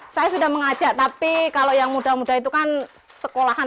saya sudah mengajak tapi kalau yang muda muda itu kan sekolahan